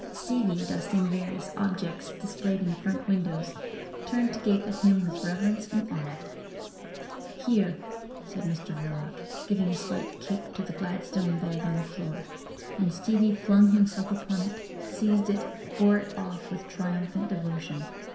Stevie, dusting various objects displayed in the front windows, turned to gape at him with reverence and awe. "Here!" said Mr Verloc, giving a slight kick to the gladstone bag on the floor; and Stevie flung himself upon it, seized it, bore it off with triumphant devotion.